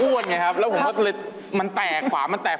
๕๖ปีเจ็บเจื้อว่าคือ